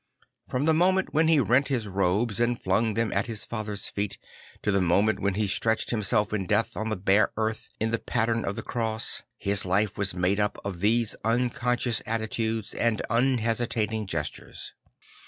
From the moment when he rent his robes and flung them at his father's feet to the moment when he stretched himself in death on the bare earth in the pa ttern of the cross, his life was made up of these unconscious attitudes and unhesitating gestures.